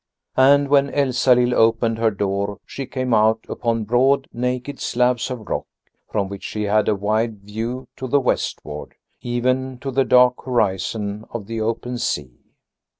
And when Elsalill opened her door she came out upon broad, naked slabs of rock, from which she had a wide view to the westward, even to the dark horizon of the open sea.